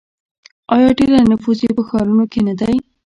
آیا ډیری نفوس یې په ښارونو کې نه دی؟